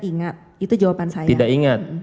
ingat itu jawaban saya tidak ingat